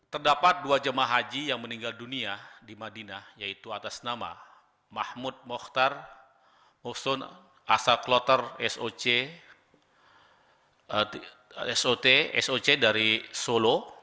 terdapat dua jemaah haji yang meninggal dunia di madinah yaitu atas nama mahmud muhtar asar kloter soc dari solo